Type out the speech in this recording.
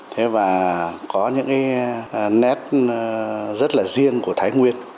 thế và có những cái nét rất là riêng của thái nguyên